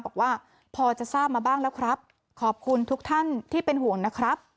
บอกว่าพอจะทราบมาบ้างแล้วครับขอบคุณทุกท่านที่เป็นห่วงนะครับ